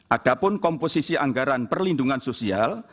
adapun komposisi anggaran perlindungan sosial